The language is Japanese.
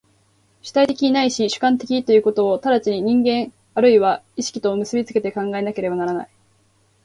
主体的ないし主観的ということを直ちに人間或いは意識と結び付けて考えてはならない。